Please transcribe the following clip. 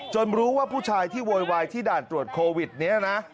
รู้ว่าผู้ชายที่โวยวายที่ด่านตรวจโควิดนี้นะ